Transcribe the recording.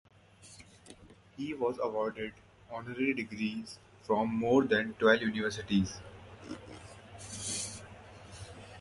He was awarded honorary degrees from more than twelve universities.